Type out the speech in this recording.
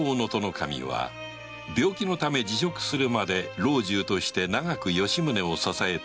守は病気のため辞職するまで老中として長く吉宗を支えた功労者であった